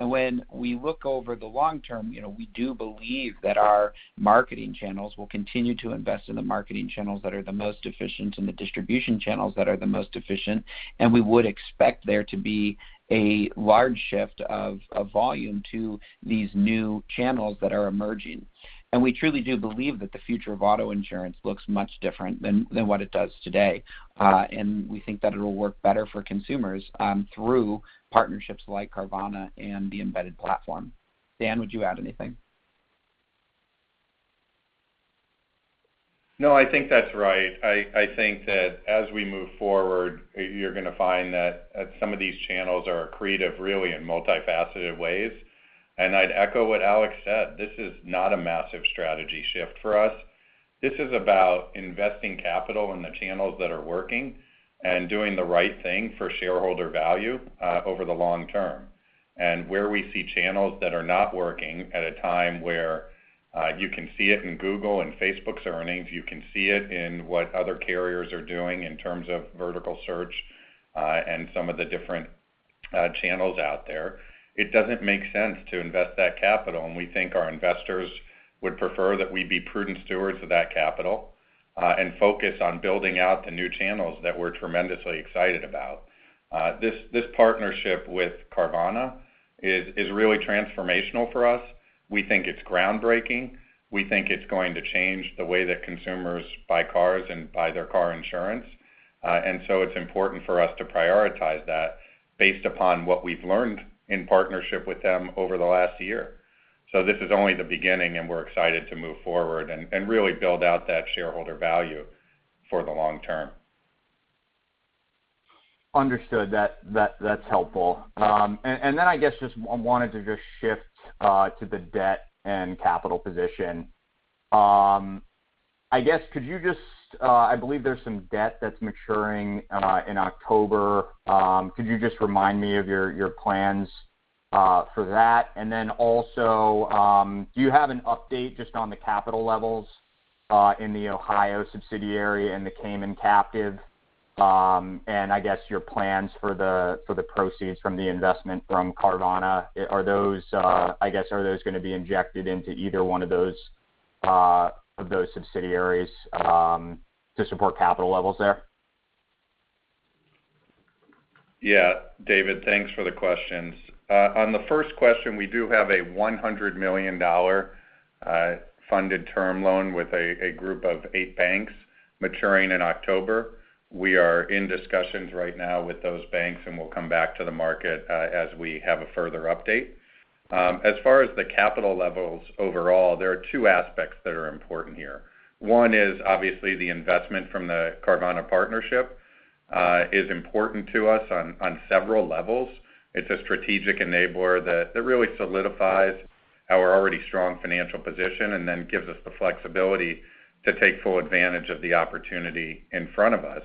When we look over the long term, we do believe that our marketing channels will continue to invest in the marketing channels that are the most efficient and the distribution channels that are the most efficient. We would expect there to be a large shift of volume to these new channels that are emerging. We truly do believe that the future of auto insurance looks much different than what it does today. We think that it'll work better for consumers through partnerships like Carvana and the embedded platform. Dan, would you add anything? No, I think that's right. I think that as we move forward, you're going to find that some of these channels are accretive, really, in multifaceted ways. I'd echo what Alex said. This is not a massive strategy shift for us. This is about investing capital in the channels that are working and doing the right thing for shareholder value over the long term. Where we see channels that are not working at a time where you can see it in Google and Facebook's earnings, you can see it in what other carriers are doing in terms of vertical search and some of the different channels out there, it doesn't make sense to invest that capital. We think our investors would prefer that we be prudent stewards of that capital and focus on building out the new channels that we're tremendously excited about. This partnership with Carvana is really transformational for us. We think it's groundbreaking. We think it's going to change the way that consumers buy cars and buy their car insurance. It's important for us to prioritize that based upon what we've learned in partnership with them over the last year. This is only the beginning, and we're excited to move forward and really build out that shareholder value for the long term. Understood. That's helpful. I guess just wanted to just shift to the debt and capital position. I believe there's some debt that's maturing in October. Could you just remind me of your plans for that? Also, do you have an update just on the capital levels in the Ohio subsidiary and the Cayman captive, and I guess your plans for the proceeds from the investment from Carvana? Are those going to be injected into either one of those subsidiaries to support capital levels there? David, thanks for the questions. On the first question, we do have a $100 million funded term loan with a group of eight banks maturing in October. We are in discussions right now with those banks, and we'll come back to the market as we have a further update. As far as the capital levels overall, there are two aspects that are important here. One is obviously the investment from the Carvana partnership is important to us on several levels. It's a strategic enabler that really solidifies our already strong financial position and then gives us the flexibility to take full advantage of the opportunity in front of us.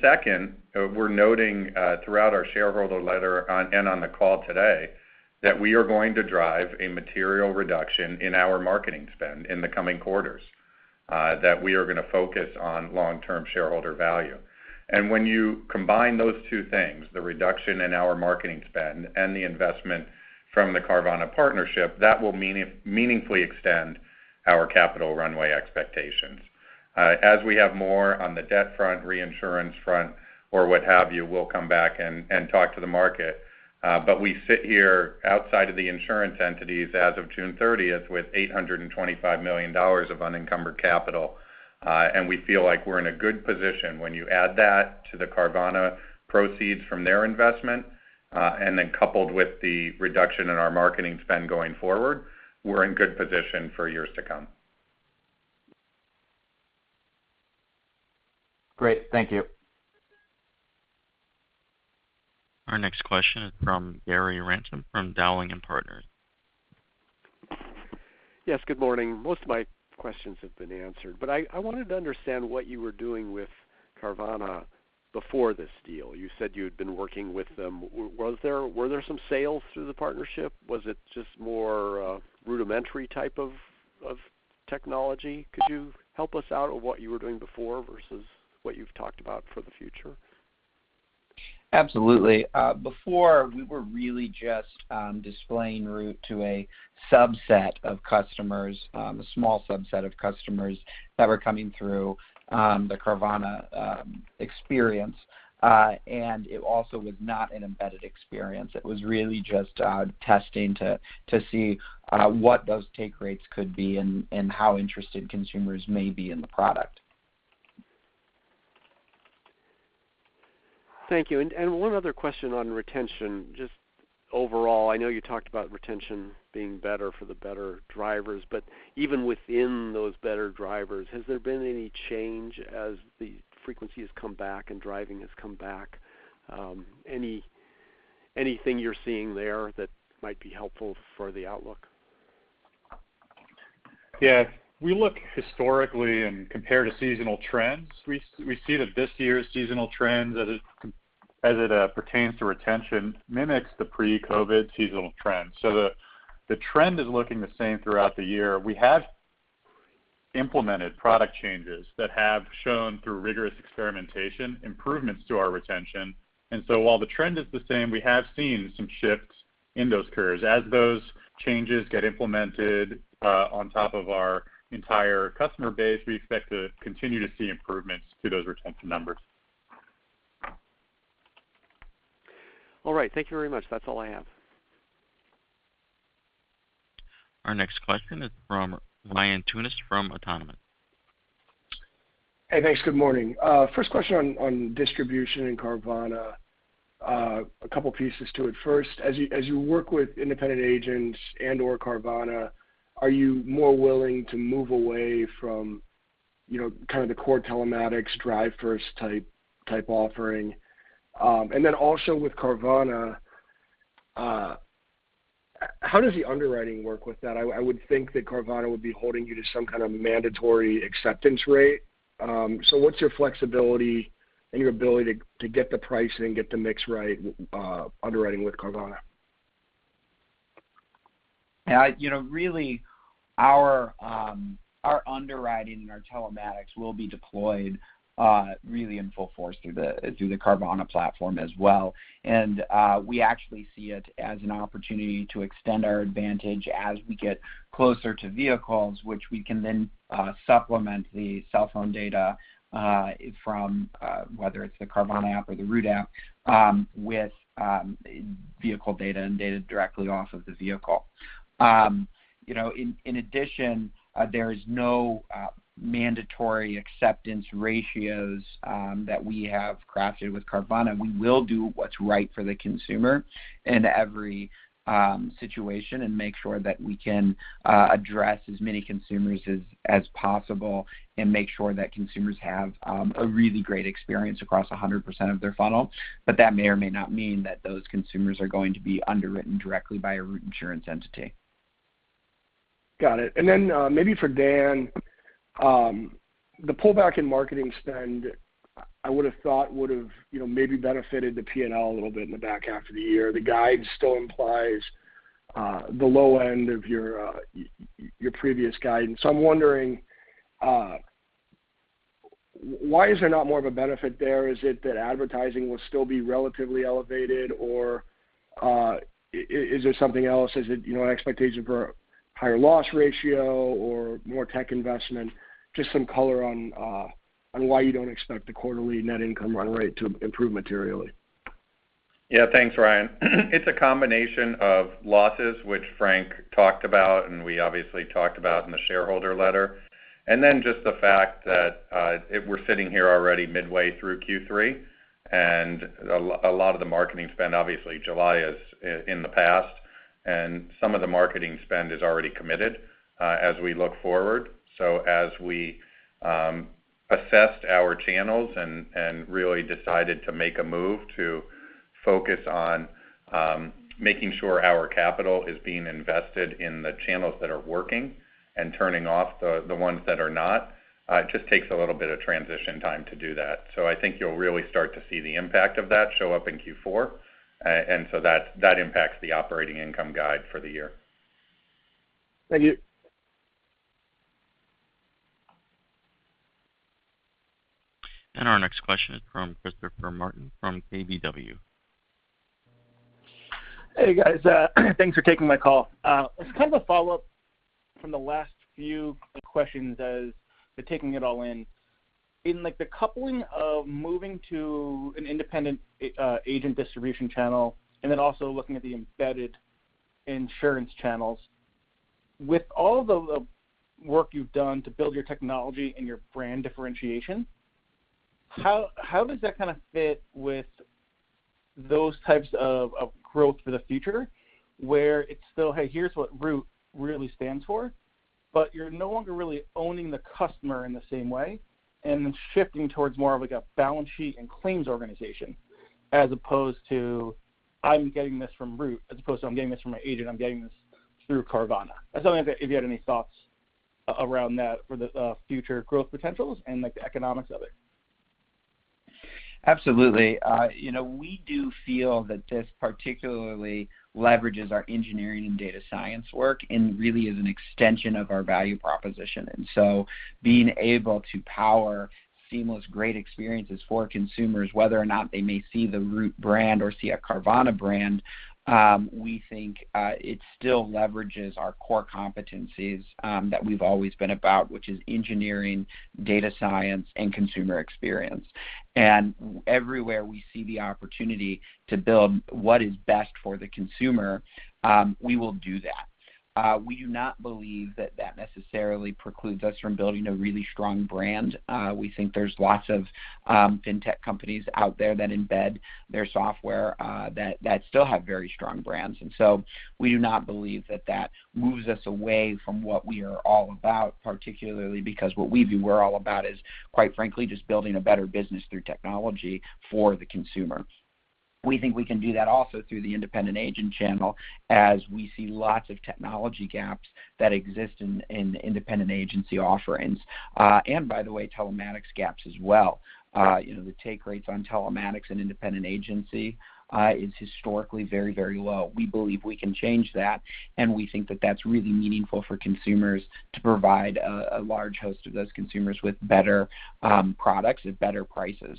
Second, we're noting throughout our shareholder letter and on the call today that we are going to drive a material reduction in our marketing spend in the coming quarters, that we are going to focus on long-term shareholder value. When you combine those two things, the reduction in our marketing spend and the investment from the Carvana partnership, that will meaningfully extend our capital runway expectations. We have more on the debt front, reinsurance front, or what have you, we'll come back and talk to the market. We sit here outside of the insurance entities as of June 30th with $825 million of unencumbered capital. We feel like we're in a good position. When you add that to the Carvana proceeds from their investment, coupled with the reduction in our marketing spend going forward, we're in good position for years to come. Great. Thank you. Our next question is from Gary Ransom from Dowling & Partners. Yes, good morning. Most of my questions have been answered, but I wanted to understand what you were doing with Carvana before this deal. You said you had been working with them. Were there some sales through the partnership? Was it just more rudimentary type of technology? Could you help us out on what you were doing before versus what you've talked about for the future? Absolutely. Before, we were really just displaying Root to a subset of customers, a small subset of customers that were coming through the Carvana experience. It also was not an embedded experience. It was really just testing to see what those take rates could be and how interested consumers may be in the product. Thank you. One other question on retention, just overall, I know you talked about retention being better for the better drivers, but even within those better drivers, has there been any change as the frequency has come back and driving has come back? Anything you're seeing there that might be helpful for the outlook? We look historically and compare to seasonal trends. We see that this year's seasonal trends as it pertains to retention mimics the pre-COVID seasonal trends. The trend is looking the same throughout the year. We have implemented product changes that have shown, through rigorous experimentation, improvements to our retention. While the trend is the same, we have seen some shifts in those curves. As those changes get implemented on top of our entire customer base, we expect to continue to see improvements to those retention numbers. All right. Thank you very much. That's all I have. Our next question is from Ryan Tunis from Autonomous. Thanks. Good morning. First question on distribution and Carvana. A couple pieces to it. First, as you work with independent agents and/or Carvana, are you more willing to move away from kind of the core telematics drive first type offering? Also with Carvana, how does the underwriting work with that? I would think that Carvana would be holding you to some kind of mandatory acceptance rate. What's your flexibility and your ability to get the pricing and get the mix right underwriting with Carvana? Really, our underwriting and our telematics will be deployed really in full force through the Carvana platform as well. We actually see it as an opportunity to extend our advantage as we get closer to vehicles, which we can then supplement the cellphone data from, whether it's the Carvana app or the Root app, with vehicle data and data directly off of the vehicle. In addition, there is no mandatory acceptance ratios that we have crafted with Carvana. We will do what's right for the consumer in every situation and make sure that we can address as many consumers as possible and make sure that consumers have a really great experience across 100% of their funnel. That may or may not mean that those consumers are going to be underwritten directly by a Root insurance entity. Got it. Maybe for Dan, the pullback in marketing spend, I would have thought would have maybe benefited the P&L a little bit in the back half of the year. The guide still implies the low end of your previous guidance. I'm wondering, why is there not more of a benefit there? Is it that advertising will still be relatively elevated, or is there something else? Is it an expectation for a higher loss ratio or more tech investment? Just some color on why you don't expect the quarterly net income run rate to improve materially. Yeah, thanks, Ryan. It's a combination of losses, which Frank talked about, and we obviously talked about in the shareholder letter. Just the fact that, we're sitting here already midway through Q3, and a lot of the marketing spend, obviously July is in the past, and some of the marketing spend is already committed as we look forward. As we assessed our channels and really decided to make a move to focus on making sure our capital is being invested in the channels that are working and turning off the ones that are not, it just takes a little bit of transition time to do that. I think you'll really start to see the impact of that show up in Q4. That impacts the operating income guide for the year. Thank you. Our next question is from Christopher Martin from KBW. Hey, guys. Thanks for taking my call. It's kind of a follow-up from the last few questions as to taking it all in. In the coupling of moving to an independent agent distribution channel and then also looking at the embedded insurance channels, with all the work you've done to build your technology and your brand differentiation, how does that kind of fit with those types of growth for the future, where it's still, hey, here's what Root really stands for, but you're no longer really owning the customer in the same way and then shifting towards more of like a balance sheet and claims organization, as opposed to I'm getting this from Root, as opposed to I'm getting this from my agent, I'm getting this through Carvana. I was wondering if you had any thoughts around that for the future growth potentials and the economics of it. Absolutely. We do feel that this particularly leverages our engineering and data science work and really is an extension of our value proposition. Being able to power seamless, great experiences for consumers, whether or not they may see the Root brand or see a Carvana brand, we think it still leverages our core competencies that we've always been about, which is engineering, data science, and consumer experience. Everywhere we see the opportunity to build what is best for the consumer, we will do that. We do not believe that that necessarily precludes us from building a really strong brand. We think there's lots of fintech companies out there that embed their software that still have very strong brands. We do not believe that that moves us away from what we are all about, particularly because what we view we're all about is, quite frankly, just building a better business through technology for the consumer. We think we can do that also through the independent agent channel as we see lots of technology gaps that exist in independent agency offerings. By the way, telematics gaps as well. The take rates on telematics in independent agency is historically very low. We believe we can change that, and we think that that's really meaningful for consumers to provide a large host of those consumers with better products at better prices.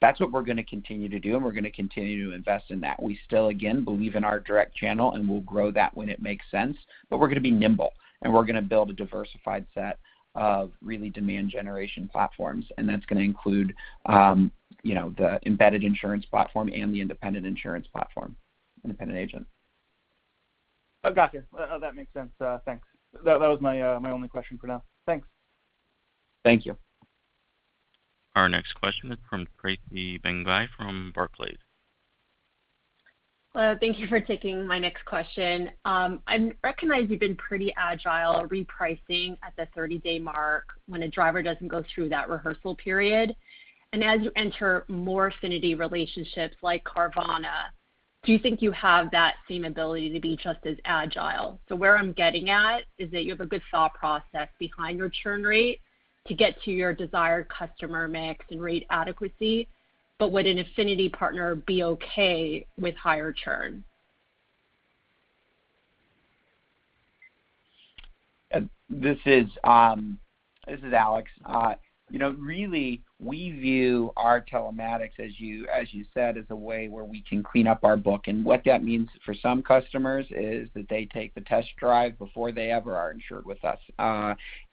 That's what we're going to continue to do, and we're going to continue to invest in that. We still, again, believe in our direct channel, and we'll grow that when it makes sense, but we're going to be nimble, and we're going to build a diversified set of really demand generation platforms, and that's going to include the embedded insurance platform and the independent insurance platform, independent agent. Got you. That makes sense. Thanks. That was my only question for now. Thanks. Thank you. Our next question is from Tracy Benguigui from Barclays. Well, thank you for taking my next question. I recognize you've been pretty agile repricing at the 30-day mark when a driver doesn't go through that rehearsal period. As you enter more affinity relationships like Carvana, do you think you have that same ability to be just as agile? Where I'm getting at is that you have a good thought process behind your churn rate to get to your desired customer mix and rate adequacy. Would an affinity partner be okay with higher churn? This is Alex. We view our telematics, as you said, as a way where we can clean up our book. What that means for some customers is that they take the test drive before they ever are insured with us.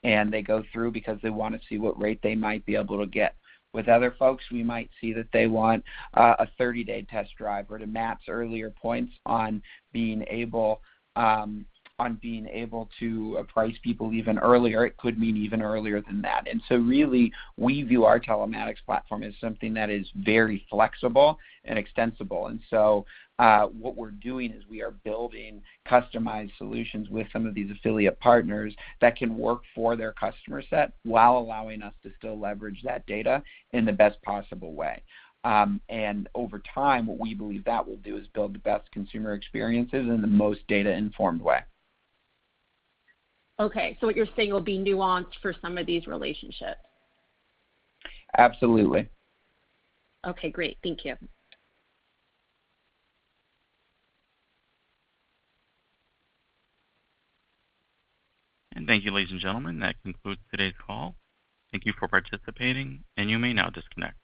They go through because they want to see what rate they might be able to get. With other folks, we might see that they want a 30-day test drive, or to Matt's earlier points on being able to price people even earlier, it could mean even earlier than that. We view our telematics platform as something that is very flexible and extensible. What we're doing is we are building customized solutions with some of these affiliate partners that can work for their customer set while allowing us to still leverage that data in the best possible way. Over time, what we believe that will do is build the best consumer experiences in the most data-informed way. Okay, what you're saying will be nuanced for some of these relationships. Absolutely. Okay, great. Thank you. Thank you, ladies and gentlemen. That concludes today's call. Thank you for participating, and you may now disconnect.